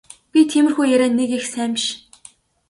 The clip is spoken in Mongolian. Би тиймэрхүү ярианд нэг их сайн биш.